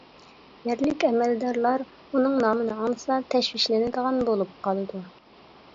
يەرلىك ئەمەلدارلار ئۇنىڭ نامىنى ئاڭلىسا تەشۋىشلىنىدىغان بولۇپ قالىدۇ.